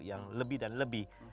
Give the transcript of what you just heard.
yang lebih dan lebih